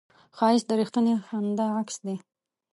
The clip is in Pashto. ښایست د رښتینې خندا عکس دی